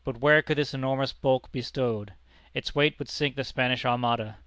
But where could this enormous bulk be stowed? Its weight would sink the Spanish Armada.